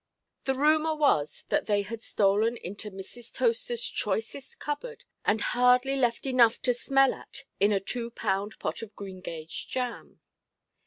The rumour was that they had stolen into Mrs. Toasterʼs choicest cupboard, and hardly left enough to smell at in a two–pound pot of green–gage jam.